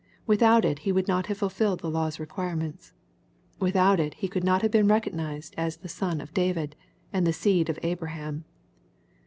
Without it He would not have fulfilled the law's requirements. With out it He could not have been recognized as the son of David, and the seed of Abraham.